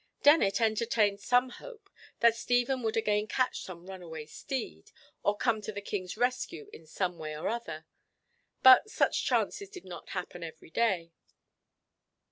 Dennet entertained some hope that Stephen would again catch some runaway steed, or come to the King's rescue in some way or other, but such chances did not happen every day.